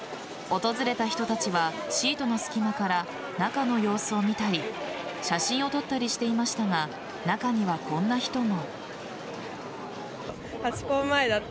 訪れた人たちはシートの隙間から中の様子を見たり写真を撮ったりしていましたが中にはこんな人も。